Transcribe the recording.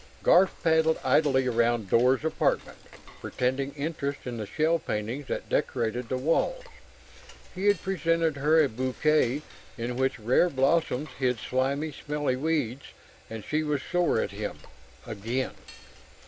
Garf paddled idly around Dor's apartment, pretending interest in the shell paintings that decorated the walls. He had presented her a bouquet in which rare blossoms hid slimy, smelly weeds, and she was sore at him again.